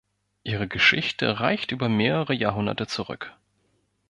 Ihre Geschichte reicht über mehrere Jahrhunderte zurück.